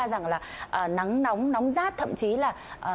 rằng là nắng nóng nóng rát thậm chí là